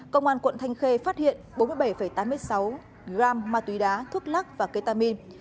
công an quận thanh khê phát hiện bốn mươi bảy tám mươi sáu gram ma túy đá thuốc lắc và ketamin